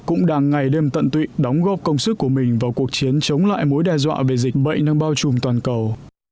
cũng đang ngày đêm tận tụy đóng góp công sức của mình vào cuộc chiến chống lại mối đe dọa về dịch bệnh đang bao trùm toàn cầu